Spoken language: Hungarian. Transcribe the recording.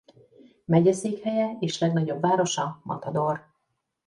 Megyeszékhelye és legnagyobb városa Matador.